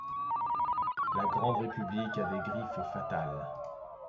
La grande République a des griffes fatales.